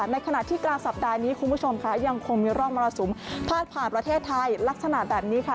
ในขณะที่กลางสัปดาห์นี้คุณผู้ชมค่ะยังคงมีร่องมรสุมพาดผ่านประเทศไทยลักษณะแบบนี้ค่ะ